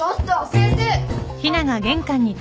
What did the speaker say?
先生！